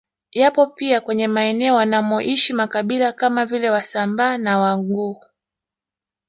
Yapo pia kwenye maeneo wanamoishi makabila kama vile Wasambaa na Wanguu